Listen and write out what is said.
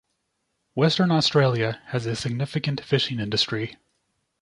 Western Australia has a significant fishing industry.